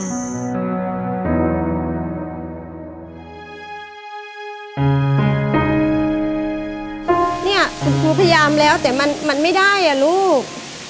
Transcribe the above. เนี่ยคุณครูพยายามแล้วแต่มันไม่ได้อ่ะลูก